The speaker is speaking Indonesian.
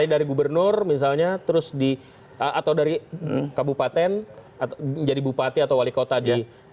dari gubernur misalnya terus di atau dari kabupaten jadi bupati atau wali kota di